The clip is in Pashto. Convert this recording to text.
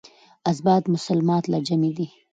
اثبات مسلمات له جملې دی.